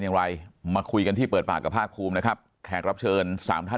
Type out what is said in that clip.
อย่างไรมาคุยกันที่เปิดปากกับภาคภูมินะครับแขกรับเชิญสามท่าน